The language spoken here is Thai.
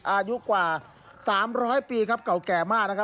อายุกว่า๓๐๐ปีเก่าแก่มาก